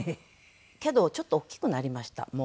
けどちょっと大きくなりましたもう。